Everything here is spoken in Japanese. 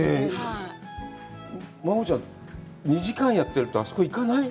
真帆ちゃん、２時間やってると、あそこ行かない？